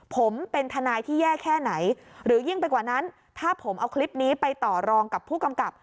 ผมเป็นทนายที่แย่แค่ไหนหรือยิ่งไปกว่านั้นถ้าผมเอาคลิปนี้ไปต่อรองกับผู้กำกับ